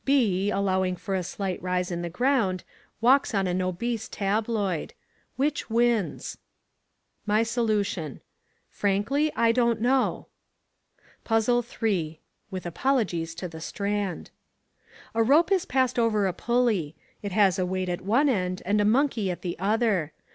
B, allowing for a slight rise in the ground, walks on an obese tabloid. Which wins? My Solution: Frankly, I don't know. Puzzle III (With apologies to the Strand.) A rope is passed over a pulley. It has a weight at one end and a monkey at the other.